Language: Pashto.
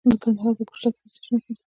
د ننګرهار په ګوشته کې د څه شي نښې دي؟